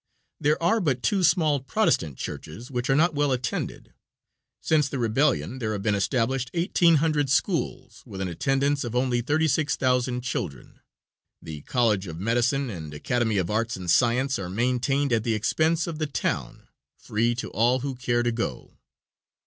There are but two small Protestant churches, which are not well attended. Since the rebellion there have been established 1800 schools, with an attendance of only 36,000 children. The College of Medicine and Academy of Arts and Science are maintained at the expense of the town, free to all who care to go.